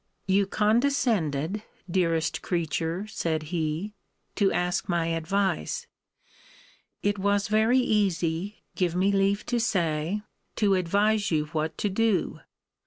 You condescended, dearest creature, said he, to ask my advice. It was very easy, give me leave to say, to advise you what to do.